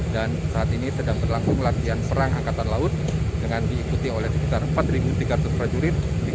saat ini sedang berlangsung latihan perang angkatan laut dengan diikuti oleh sekitar empat tiga ratus prajurit